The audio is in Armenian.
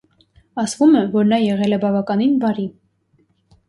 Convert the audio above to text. Ասվում է, որ նա եղել է բավականին բարի։